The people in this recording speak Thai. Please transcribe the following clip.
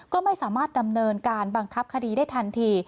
ก็ไม่สามารถดำเนินการบังคับคดีได้ทันที